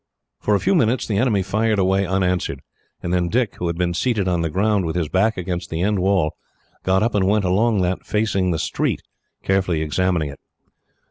For a few minutes, the enemy fired away unanswered, and then Dick, who had been seated on the ground with his back against the end wall, got up and went along that facing the street, carefully examining it.